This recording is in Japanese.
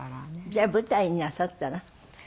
じゃあ舞台になさったら？